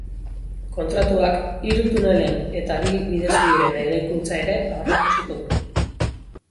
Kontratuak hiru tunelen eta bi bidezubiren eraikuntza ere aurreikusiko du.